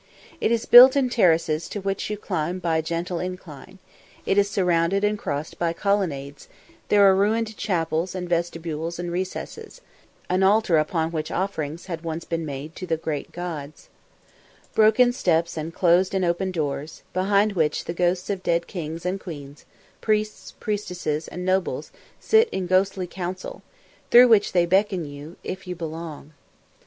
It is built in terraces to which you climb by gentle incline; it is surrounded and crossed by colonnades; there are ruined chapels and vestibules and recesses; an altar upon which offerings had once been made to the great gods; broken steps and closed and open doors, behind which the ghosts of dead kings and queens, priests, priestesses and nobles sit in ghostly council; through which they beckon you if you belong.